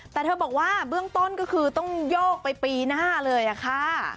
แต่เธอบอกว่าเบื้องต้นก็คือต้องโยกไปปีหน้าเลยค่ะ